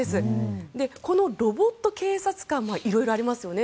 このロボット警察官色々ありますよね。